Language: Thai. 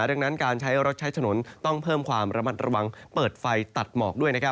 ดังนั้นการใช้รถใช้ถนนต้องเพิ่มความระมัดระวังเปิดไฟตัดหมอกด้วย